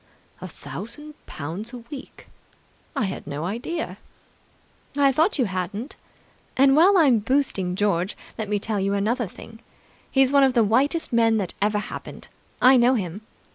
"A thousand pounds a week! I had no idea!" "I thought you hadn't. And, while I'm boosting George, let me tell you another thing. He's one of the whitest men that ever happened. I know him.